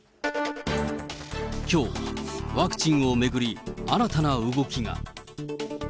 きょう、ワクチンを巡り、新たな動きが。